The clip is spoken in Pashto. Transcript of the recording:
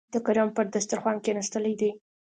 د کرم پر دسترخوان کېناستلي دي.